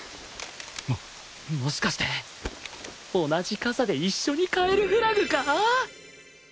ももしかして同じ傘で一緒に帰るフラグか！？